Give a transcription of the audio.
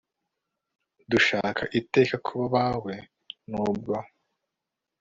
dushaka iteka kuba abawe; n'ubwo